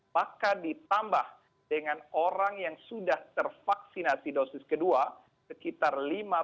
maka ditambah dengan orang yang sudah tervaksinasi dosis kedua sekitar lima puluh